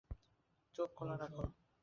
চোখ খোলা রাখো।